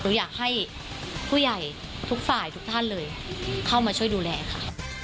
อยากให้ผู้ใหญ่ทุกฝ่ายทุกท่านเลยเข้ามาช่วยดูแลค่ะ